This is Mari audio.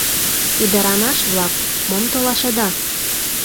Ӱдырамаш-влак, мом толашеда?